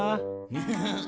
ウフフフ！